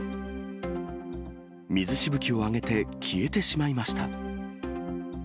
水しぶきを上げて消えてしまいました。